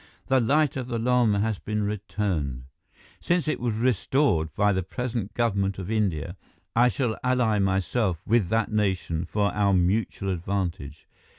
"The Light of the Lama has been returned. Since it was restored by the present government of India, I shall ally myself with that nation for our mutual advantage.